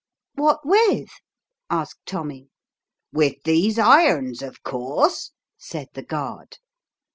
"What with?" asked Tommy. "With these irons, of course," said the guard.